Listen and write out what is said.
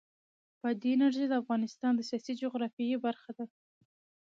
بادي انرژي د افغانستان د سیاسي جغرافیه برخه ده.